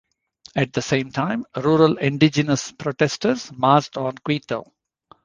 At the same time, rural indigenous protesters marched on Quito.